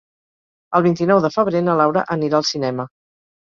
El vint-i-nou de febrer na Laura anirà al cinema.